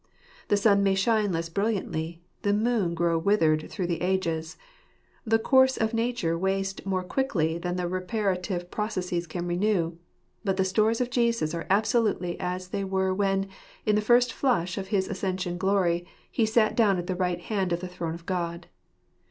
The sun may shine less brilliantly ; the moon grow withered through the ages ; the course of Nature waste more quickly than the reparative processes can renew— but the stores of Jesus are absolutely as they were when, in the first flush of his Ascension glory, He sat down at the right hand of the throne of God.